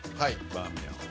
「バーミヤン」は。